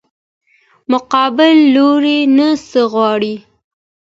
مقابل لوري نه څه غواړې؟